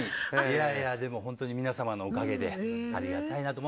でも本当に皆様のおかげでありがたいなと。